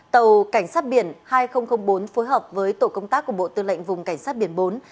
tàu cảnh sát biển hai nghìn bốn phối hợp với tổ công tác của bộ tư lệnh vùng cảnh sát biển bốn